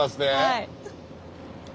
はい。